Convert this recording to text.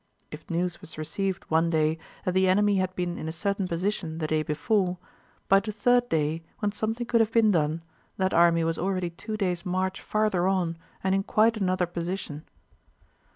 If news was received one day that the enemy had been in a certain position the day before, by the third day when something could have been done, that army was already two days' march farther on and in quite another position.